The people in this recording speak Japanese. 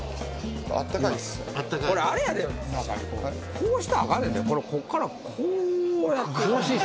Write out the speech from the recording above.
こうしたらあかんねんで。